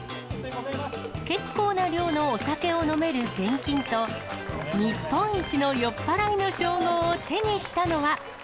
結構な量のお酒を飲める現金と、日本一の酔っ払いの称号を手にしたのは。